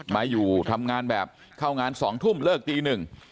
มาอยู่ทำงานแบบเข้างาน๒ทุ่มเลิกตีหนึ่ง